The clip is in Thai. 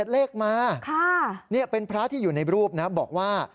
เลขมานี่เป็นพระที่อยู่ในรูปนะบอกว่า